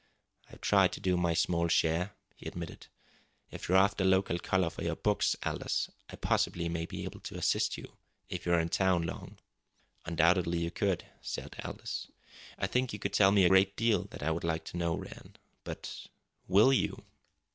"I've tried to do my small share," he admitted. "If you're after local colour for your books, Aldous, I possibly may be able to assist you if you're in town long." "Undoubtedly you could," said Aldous. "I think you could tell me a great deal that I would like to know, Rann. But will you?"